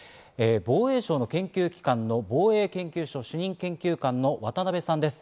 防衛省の研究機関の防衛研究所主任研究官の渡邊さんです。